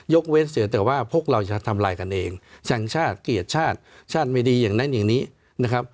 เว้นเสียแต่ว่าพวกเราจะทำลายกันเองช่างชาติเกลียดชาติชาติไม่ดีอย่างนั้นอย่างนี้นะครับ